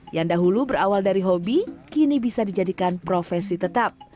yang dahulu berawal dari hobi kini bisa dijadikan profesi tetap